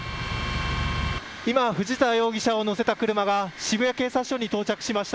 今、藤田容疑者を乗せた車が渋谷警察署に到着しました。